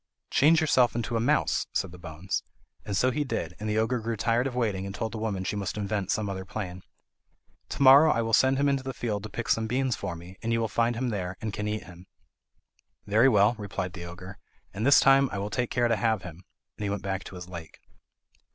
"Change yourself into a mouse," said the bones; and so he did, and the ogre grew tired of waiting, and told the woman she must invent some other plan. "To morrow I will send him into the field to pick some beans for me, and you will find him there, and can eat him." "Very well," replied the ogre, "and this time I will take care to have him," and he went back to his lake.